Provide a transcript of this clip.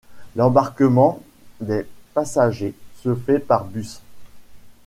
L'embarquement des passagers se fait par bus.